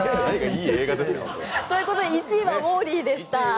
ということで１位は「ウォーリー」でした。